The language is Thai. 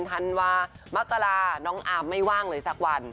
ธันวามกราน้องอาร์มไม่ว่างเลยสักวัน